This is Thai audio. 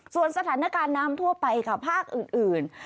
ส่วนสถานการณ์น้ำทั่วไปค่ะภาคอื่น